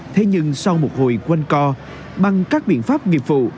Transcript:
thế nhưng sau một hồi quanh co bằng các biện pháp nghiệp vụ